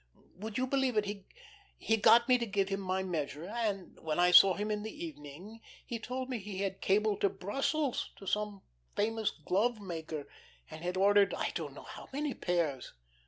Would you believe it, he got me to give him my measure, and when I saw him in the evening he told me he had cabled to Brussels to some famous glovemaker and had ordered I don't know how many pairs."